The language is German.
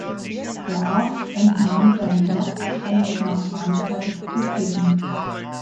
Der Arzt entnahm sein Herz, um es nach Frankreich zu schicken.